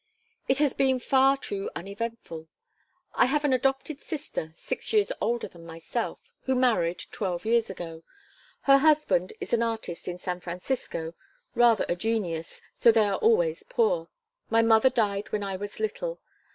"It has been far too uneventful. I have an adopted sister, six years older than myself, who married twelve years ago. Her husband is an artist in San Francisco, rather a genius, so they are always poor. My mother died when I was little.